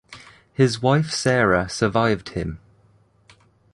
His wife Sarah survived him.